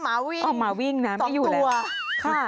หมาวิ่ง๒ตัวนะฮะ